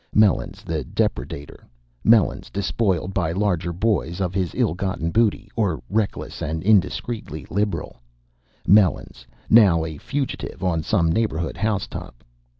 Melons the depredator Melons, despoiled by larger boys of his ill gotten booty, or reckless and indiscreetly liberal; Melons now a fugitive on some neighborhood house top.